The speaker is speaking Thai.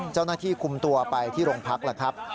เจ้าหน้าที่คุมตัวไปที่โรงพักษณ์